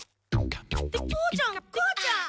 父ちゃん母ちゃん？